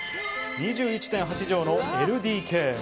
２１．８畳のＬＤＫ。